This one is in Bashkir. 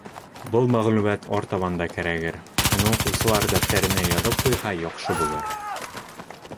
Был мәғлүмәт артабан да кәрәгер — уны уҡыусылар дәфтәренә яҙып ҡуйһа, яҡшы булыр.